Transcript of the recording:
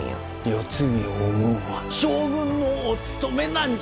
世継ぎを生むんは将軍のおつとめなんじゃ。